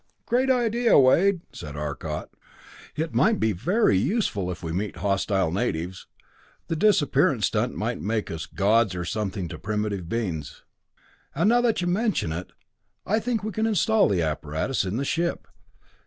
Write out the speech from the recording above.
"Great idea, Wade," said Arcot. "It might be very useful if we met hostile natives. The disappearance stunt might make us gods or something to primitive beings. And now that you mention it, I think we can install the apparatus in the ship.